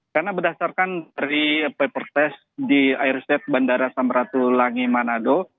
karena berdasarkan dari paper test di airstate bandara samratulangi menado